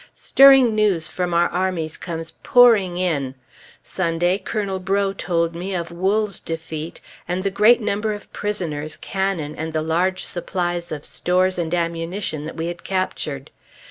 Stirring news from our armies comes pouring in. Sunday, Colonel Breaux told me of Wool's defeat, and the great number of prisoners, cannon, and the large supplies of stores and ammunition that we had captured.